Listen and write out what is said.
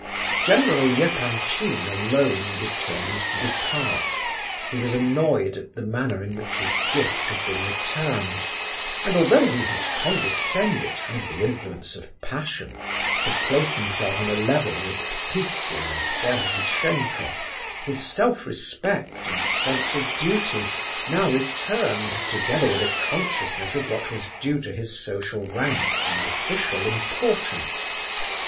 General Epanchin alone determined to depart. He was annoyed at the manner in which his gift had been returned, as though he had condescended, under the influence of passion, to place himself on a level with Ptitsin and Ferdishenko, his self respect and sense of duty now returned together with a consciousness of what was due to his social rank and official importance.